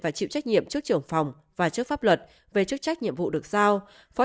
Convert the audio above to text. và chịu trách nhiệm trước trưởng phòng và trước pháp luật về chức trách nhiệm vụ được giao phó